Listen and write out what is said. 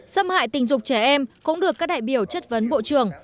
xâm hại tình dục trẻ em cũng được các đại biểu chất vấn bộ trưởng